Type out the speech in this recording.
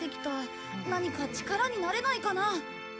何か力になれないかな？